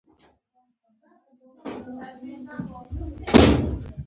که په ناروغۍ سیمه کې چرک جمع شوی وي.